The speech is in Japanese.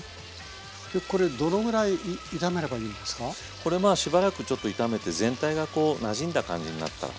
これまあしばらくちょっと炒めて全体がこうなじんだ感じになったら。